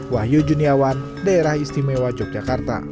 wahyu juniawan daerah istimewa yogyakarta